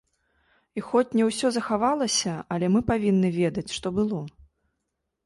І хоць не ўсё захавалася, але мы павінны ведаць, што было.